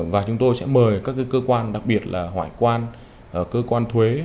và chúng tôi sẽ mời các cơ quan đặc biệt là hải quan cơ quan thuế